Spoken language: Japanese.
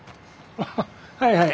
あはいはい。